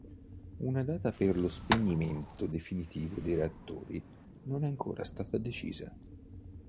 Una data per lo spegnimento definitivo dei reattori non è ancora stata decisa.